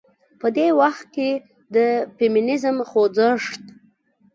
په دې وخت کې د فيمينزم خوځښت